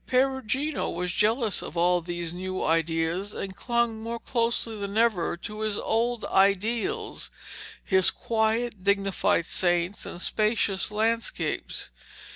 Perugino was jealous of all these new ideas, and clung more closely than ever to his old ideals, his quiet, dignified saints, and spacious landscapes.